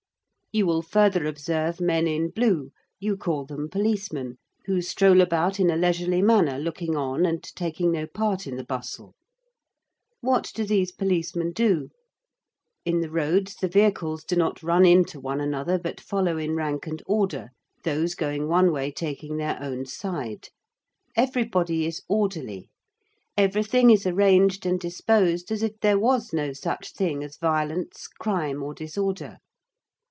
You will further observe men in blue you call them policemen who stroll about in a leisurely manner looking on and taking no part in the bustle. What do these policemen do? In the roads the vehicles do not run into one another, but follow in rank and order, those going one way taking their own side. Everybody is orderly. Everything is arranged and disposed as if there was no such thing as violence, crime, or disorder.